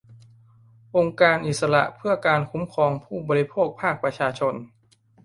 องค์การอิสระเพื่อการคุ้มครองผู้บริโภคภาคประชาชน